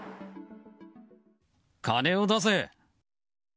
金を出せ！